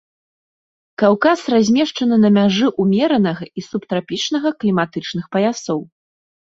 Каўказ размешчаны на мяжы ўмеранага і субтрапічнага кліматычных паясоў.